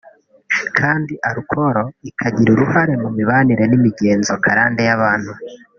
kandi alcohol ikagira uruhare mu mibanire n’imigenzo karande y’abantu